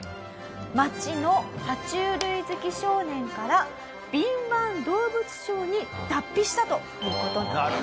町の爬虫類好き少年から敏腕動物商に脱皮したという事なんです。